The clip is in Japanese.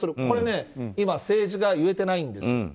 これ、政治が言えてないんですよ。